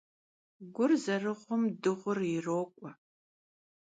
Gur zerığum dığur yirok'ue.